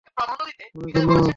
অনেক, ধন্যবাদ।